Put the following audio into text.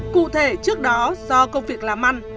cụ thể trước đó do công việc làm ăn